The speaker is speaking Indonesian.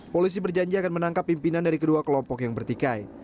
polisi berjanji akan menangkap pimpinan dari kedua kelompok yang bertikai